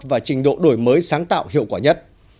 và trình độ đổi mới sáng tạo hiệu quả nhất